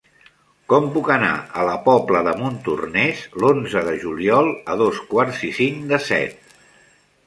Com puc anar a la Pobla de Montornès l'onze de juliol a dos quarts i cinc de set?